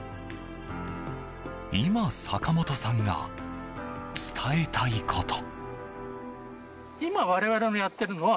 今、坂本さんが伝えたいこと。